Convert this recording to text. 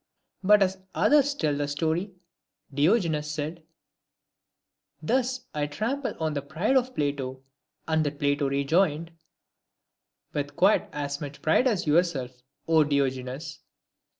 But, as others tell the story, Diogenes said, " Thus I trample on the pride of Plato ;" and that Plato rejoined, " With quite as much pride yourself, 0 Diogenes."